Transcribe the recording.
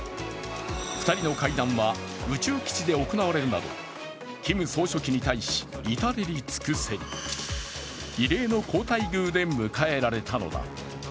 ２人の会談は宇宙基地で行われるなどキム総書記に対し至れり尽くせり、異例の好待遇で迎えられたのだ。